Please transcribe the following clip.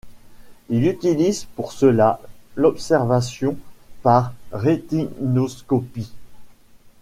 Il utilise pour cela l'observation par rétinoscopie.